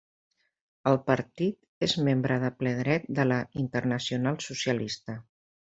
El partit és membre de ple dret de la Internacional Socialista.